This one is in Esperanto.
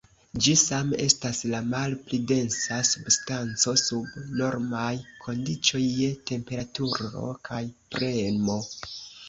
Ĝi same estas la malpli densa substanco sub normaj kondiĉoj je temperaturo kaj premo.